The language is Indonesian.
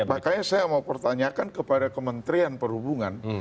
makanya saya mau pertanyakan kepada kementerian perhubungan